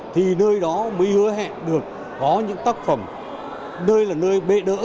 thì nơi đó mới hứa hẹn được có những tác phẩm nơi là nơi bê đỡ